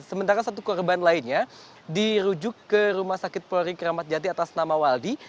sementara satu korban lainnya dirujuk ke rumah sakit proyek ramadjati atas nama waldi